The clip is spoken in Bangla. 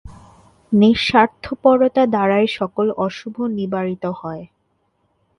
নিঃস্বার্থপরতা দ্বারাই সকল অশুভ নিবারিত হয়।